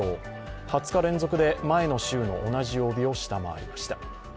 ２０日連続で前の週の同じ曜日を下回りました。